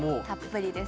たっぷり！